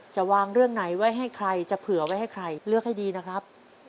จะวางเรื่องไหนไว้ให้ใครจะเผื่อไว้ให้ใครเลือกให้ดีนะครับ